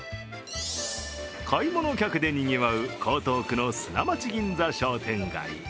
買い物客でにぎわう江東区の砂町銀座商店街。